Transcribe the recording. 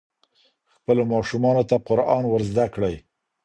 خپلو ماشومانو ته قرآن ور زده کړئ.